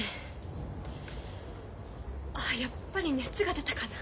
あやっぱり熱が出たかな。